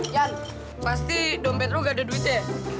jan pasti dompet lu gak ada duitnya